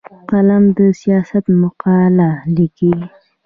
قلم د سیاست مقاله لیکي